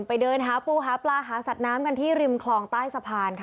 เดินหาปูหาปลาหาสัตว์น้ำกันที่ริมคลองใต้สะพานค่ะ